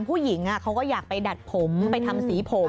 ผู้หญิงเขาก็อยากไปดัดผมไปทำสีผม